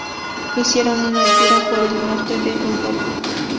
Hicieron una gira por el norte de Europa.